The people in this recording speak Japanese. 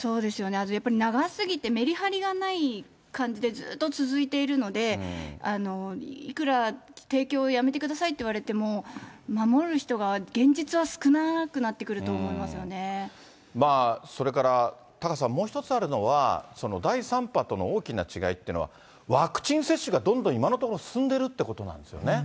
あとやっぱり長すぎて、めりはりがない感じでずっと続いているので、いくら提供をやめてくださいと言われても、守る人が、現実は少なくなってくると思いままあ、それからタカさん、もう一つあるのは、第３波との大きな違いというのは、ワクチン接種がどんどん今のところ進んでるってことなんですよね。